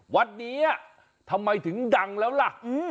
วัดนี้ทำไมถึงดังแล้วล่ะ